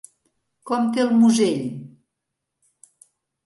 Com té el musell?